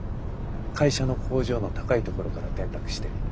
会社の工場の高い所から転落して。